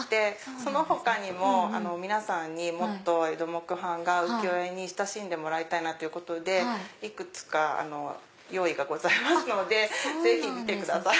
その他にも皆さんにもっと江戸木版画浮世絵に親しんでもらいたいなといくつか用意がございますのでぜひ見てください。